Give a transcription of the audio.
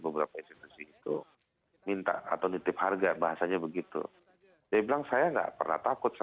beberapa institusi itu minta atau nitip harga bahasanya begitu dia bilang saya nggak pernah takut